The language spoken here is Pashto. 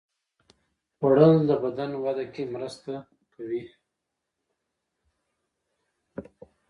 خوړل د بدن وده کې مرسته کوي